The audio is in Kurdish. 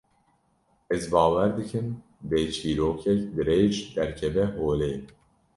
Ez bawer dikim, dê çîrokek dirêj derkeve holê